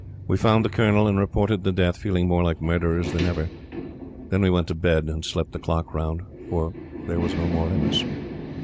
We found the Colonel and reported the death, feeling more like murderers than ever. Then we went to bed and slept the clock round; for there was no more in us.